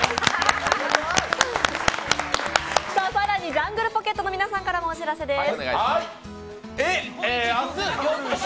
更に、ジャングルポケットの皆さんからもお知らせです。